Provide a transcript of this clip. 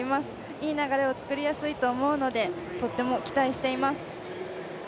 いい流れを作りやすいと思うのでとっても期待しています。